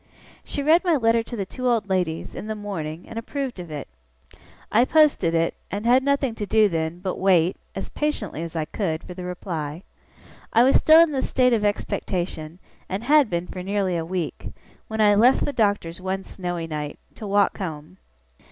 She read my letter to the two old ladies, in the morning, and approved of it. I posted it, and had nothing to do then, but wait, as patiently as I could, for the reply. I was still in this state of expectation, and had been, for nearly a week; when I left the Doctor's one snowy night, to walk home.